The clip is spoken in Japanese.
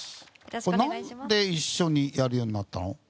何で一緒にやるようになったの？